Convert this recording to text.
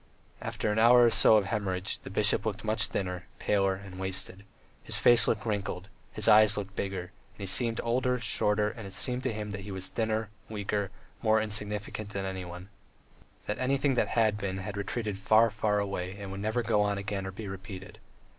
After an hour or so of hemorrhage the bishop looked much thinner, paler, and wasted; his face looked wrinkled, his eyes looked bigger, and he seemed older, shorter, and it seemed to him that he was thinner, weaker, more insignificant than any one, that everything that had been had retreated far, far away and would never go on again or be repeated.